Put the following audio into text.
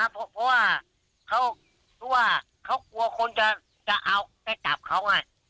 เพราะว่าเค้ากลัวคนจะรอดเจ้าจับเขาน่ะ